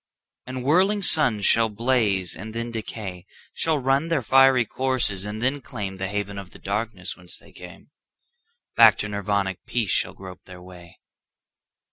And whirling suns shall blaze and then decay, Shall run their fiery courses and then claimThe haven of the darkness whence they came; Back to Nirvanic peace shall grope their way.